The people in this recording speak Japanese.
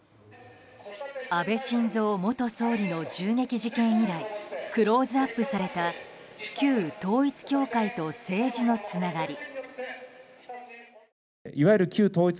安倍晋三元総理の銃撃事件以来クローズアップされた旧統一教会と政治のつながり。